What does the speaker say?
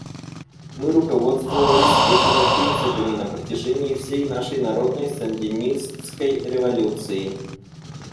Мы руководствовались этими принципами на протяжении всей нашей народной сандинистской революции.